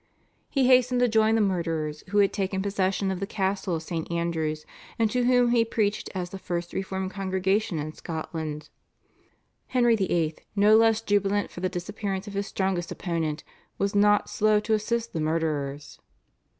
He hastened to join the murderers who had taken possession of the castle of St. Andrew's, and to whom he preached as the first reformed congregation in Scotland. Henry VIII., no less jubilant for the disappearance of his strongest opponent, was not slow to assist the murderers.